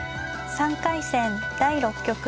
３回戦第６局。